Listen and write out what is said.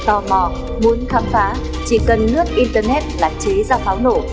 tò mò muốn khám phá chỉ cần nước internet là chế ra pháo nổ